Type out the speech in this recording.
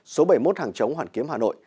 số bảy mươi một hàng chống hoàn kiếm hà nội